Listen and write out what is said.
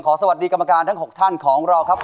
สวัสดีกรรมการทั้ง๖ท่านของเราครับ